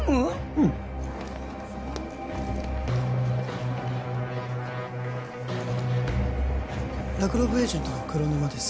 うんラクロブエージェントの黒沼です